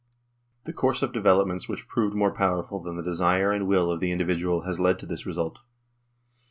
The course of developments which proved more powerful than the desire and will of the indi vidual has led to this result.